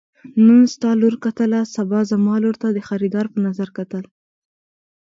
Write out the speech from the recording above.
نن ستا لور کتله سبا زما لور ته د خريدار په نظر کتل.